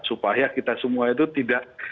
supaya kita semua itu tidak